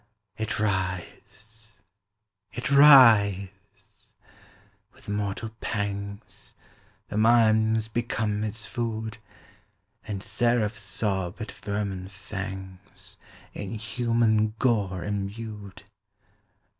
It writhes it writhes! with mortal pangs The mimes become its food, 30 And seraphs sob at vermin fangs In human gore imbued.